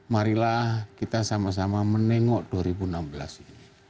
marilah kita sama sama menengok dua ribu enam belas ini